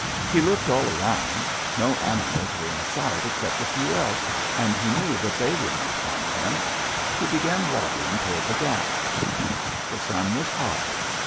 He looked all around; no animals were in sight except a few elk, and he knew that they would not harm him: he began waddling toward the gap. "The sun was hot.